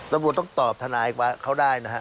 ตำรวจต้องตอบทนายว่าเขาได้นะฮะ